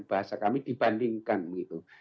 bahasa kami dibandingkan gitu